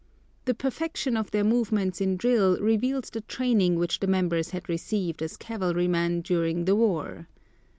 The perfection of their movements in drill revealed the training which the members had received as cavalrymen during the war.